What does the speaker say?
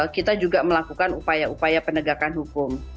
kita juga melakukan upaya upaya penegakan hukum